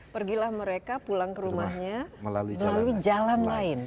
pergilah mereka pulang ke rumahnya melalui jalan lain